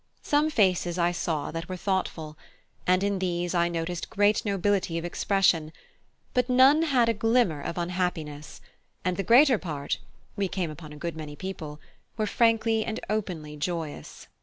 Some faces I saw that were thoughtful, and in these I noticed great nobility of expression, but none that had a glimmer of unhappiness, and the greater part (we came upon a good many people) were frankly and openly joyous.